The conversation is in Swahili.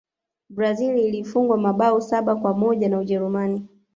brazil ilifungwa mabao saba kwa moja na ujerumani